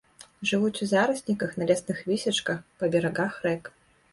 Жывуць у зарасніках, на лясных высечках, па берагах рэк.